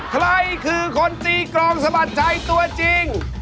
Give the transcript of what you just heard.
ใครคือคนตีกรองสะบัดใจตัวจริง